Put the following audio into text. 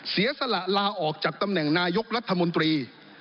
เสียสละลาออกจากตำแหน่งนายกรัฐมนตรี